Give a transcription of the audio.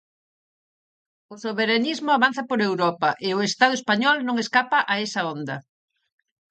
O soberanismo avanza por Europa e o Estado español non escapa a esa onda.